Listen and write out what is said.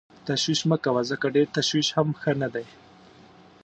تشویش مه کوه ځکه ډېر تشویش هم ښه نه دی.